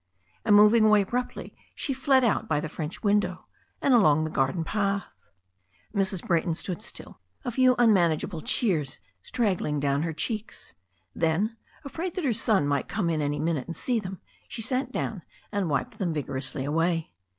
And moving away abruptly, she fled out by the French window, and along the garden path. Mrs. Brayton stood still, a few unmanageable tears strag gling down her cheeks. Then, afraid that her son might come in any minute and see them, she sat down and wiped them vigorously away.